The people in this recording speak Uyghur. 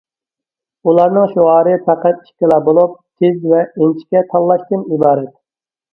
ئۇلارنىڭ شوئارى پەقەت ئىككىلا بولۇپ: تېز ۋە ئىنچىكە تاللاشتىن ئىبارەت.